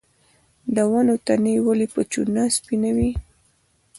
د ونو تنې ولې په چونه سپینوي؟